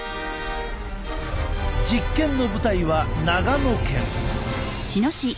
実験の舞台は長野県。